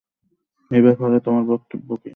এ ব্যাপারে তোমার বক্তব্য কি?